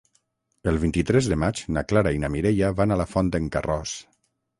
El vint-i-tres de maig na Clara i na Mireia van a la Font d'en Carròs.